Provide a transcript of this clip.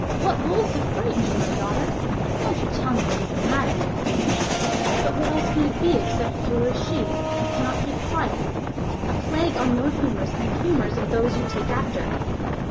What wolves have frightened you, my daughter? Won't you tell me what is the matter, my beauty? But what else can it be except that you are a she, and cannot keep quiet? A plague on your humours and the humours of those you take after!